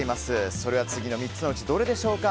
それは次の３つのうちどれでしょうか？